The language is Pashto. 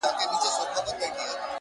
د هغه ږغ زما د ساه خاوند دی،